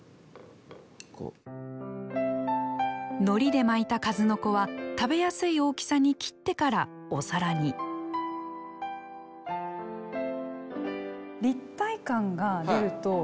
のりで巻いた数の子は食べやすい大きさに切ってからお皿に立体感が出ると。